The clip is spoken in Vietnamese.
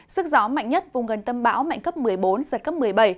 sức gió mạnh nhất vùng gần tâm bão mạnh cấp một mươi bốn giật cấp một mươi bảy